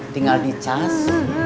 tinggal di cas